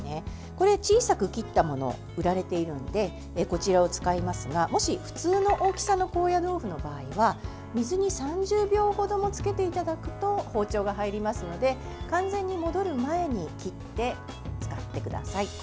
これ、小さく切ったもの売られているのでこちらを使いますがもし、普通の大きさの高野豆腐の場合は水に３０秒程もつけていただくと包丁が入りますので完全に戻る前に切って使ってください。